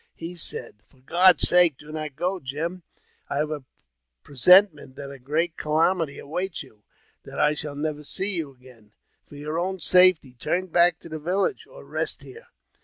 He said, '' For God's sake, do not go, Jim ! I have a presenti ment that a great calamity awaits you — that I shall never see you again. For your own safety, turn back to the village, or rest here."